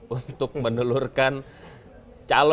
untuk menelurkan capres dua ribu sembilan belas